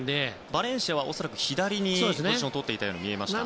バレンシアは恐らく左にポジションをとっているように見えました。